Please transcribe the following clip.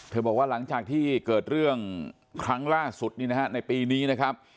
บอกว่าหลังจากที่เกิดเรื่องครั้งล่าสุดนี่นะฮะในปีนี้นะครับ